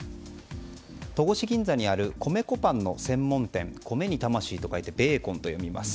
戸越銀座にある米粉パンの専門店米に魂と書いて「べいこん」と読みます。